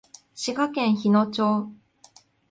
滋賀県日野町